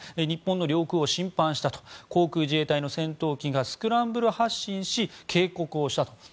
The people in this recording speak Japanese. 日本の領空を侵犯したと航空自衛隊の戦闘機がスクランブル発進して警告をしたと。